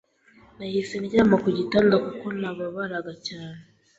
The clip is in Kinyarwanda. Nahise ndyama ku gitanda kuko nababaraga cyane